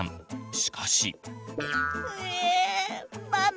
しかし。